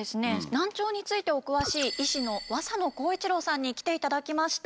難聴についてお詳しい医師の和佐野浩一郎さんに来ていただきました。